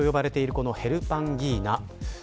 このヘルパンギーナ。